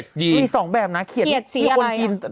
อันนี้เป็นสีรี้ใช่ไหม